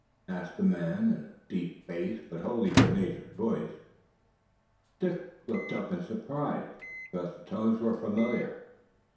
asked the man in a deep bass, but wholly good natured voice. Dick looked up in surprise, because the tones were familiar.